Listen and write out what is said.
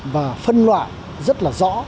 và phân loại rất là rõ